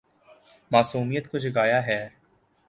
معصومیت کو جگایا ہے